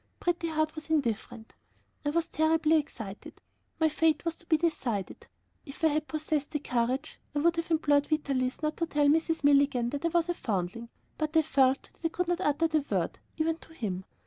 Pretty Heart was indifferent. I was terribly excited. My fate was to be decided. If I had possessed the courage I would have implored Vitalis not to tell Mrs. Milligan that I was a foundling, but I felt that I could not utter the word, even to him.